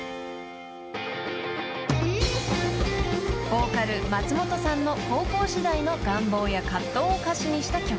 ［ボーカル松本さんの高校時代の願望や葛藤を歌詞にした曲］